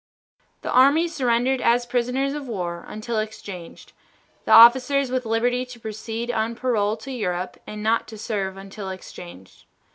The army surrendered as prisoners of war until exchanged, the officers with liberty to proceed on parole to Europe and not to serve until exchanged.